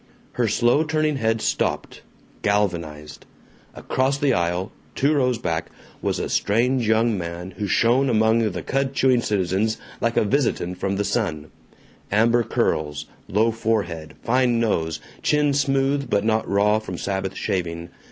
Her slow turning head stopped, galvanized. Across the aisle, two rows back, was a strange young man who shone among the cud chewing citizens like a visitant from the sun amber curls, low forehead, fine nose, chin smooth but not raw from Sabbath shaving.